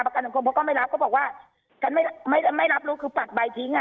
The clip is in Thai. กันสังคมเขาก็ไม่รับก็บอกว่าฉันไม่ไม่รับรู้คือปักใบทิ้งอ่ะ